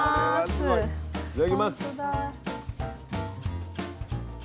いただきます。